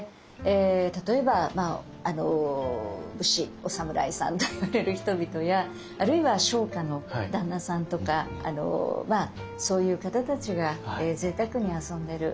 例えば武士お侍さんといわれる人々やあるいは商家の旦那さんとかそういう方たちがぜいたくに遊んでる。